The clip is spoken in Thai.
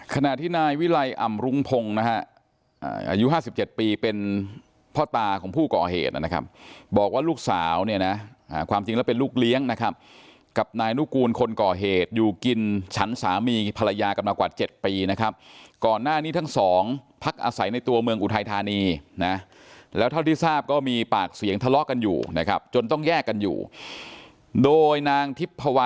ขณะที่นายวิลัยอำรุงพงศ์นะฮะอายุ๕๗ปีเป็นพ่อตาของผู้ก่อเหตุนะครับบอกว่าลูกสาวเนี่ยนะความจริงแล้วเป็นลูกเลี้ยงนะครับกับนายนุกูลคนก่อเหตุอยู่กินฉันสามีภรรยากันมากว่า๗ปีนะครับก่อนหน้านี้ทั้งสองพักอาศัยในตัวเมืองอุทัยธานีนะแล้วเท่าที่ทราบก็มีปากเสียงทะเลาะกันอยู่นะครับจนต้องแยกกันอยู่โดยนางทิพว